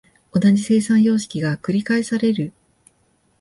同じ生産様式が繰返される。